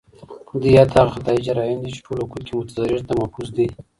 ديت هغه خطائي جرائم دي، چي ټول حقوق ئې متضرر ته مفوض دي